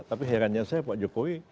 tapi herannya saya pak jokowi